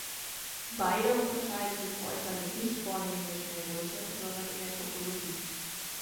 Beide unterscheiden sich äußerlich nicht vornehmlich in der Größe, sondern in der Topologie.